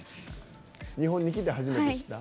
日本に来て初めて知った？